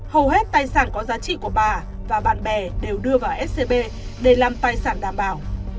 hầu hết tài sản có giá trị của bà và bạn bè đều đưa vào scb để làm tài sản đảm bảo